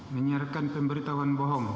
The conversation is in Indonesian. menyiarkan pemberitahuan bohong